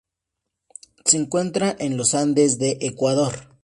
Se encuentra en los Andes de Ecuador.